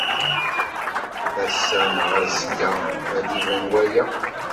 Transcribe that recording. Ass-a neɣ azekka, ad d-iban waya.